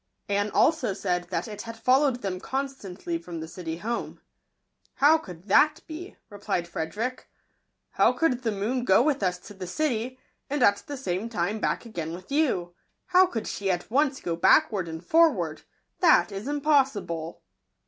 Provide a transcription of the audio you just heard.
Anne also 1 said that it had followed them constantly from | the city home. " How could that be ?" replied r Frederick. " How could the moon go with us to 1 the city, and at the same time back again with g you ? How could she at once go backward and | forward ?— that is impossible."